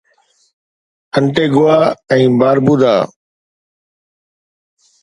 Antigua ۽ باربودا